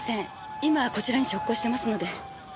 今こちらに直行してますので。